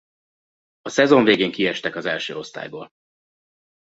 A szezon végén kiestek az első osztályból.